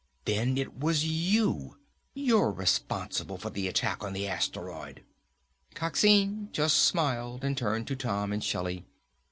"Then it was you! You're responsible for the attack on the asteroid!" Coxine just smiled and turned to Tom and Shelly.